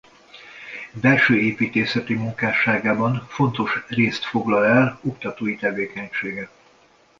Belsőépítészeti munkásságában fontos részt foglal el oktatói tevékenysége.